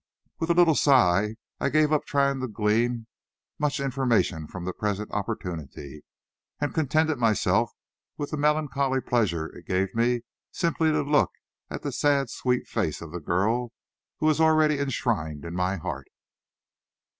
With a little sigh I gave up trying to glean much information from the present opportunity, and contented myself with the melancholy pleasure it gave me simply to look at the sad sweet face of the girl who was already enshrined in my heart.